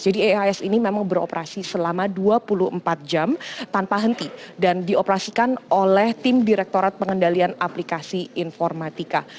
jadi ais ini memang beroperasi selama dua puluh empat jam tanpa henti dan dioperasikan oleh tim direktorat pengendalian aplikasi informatika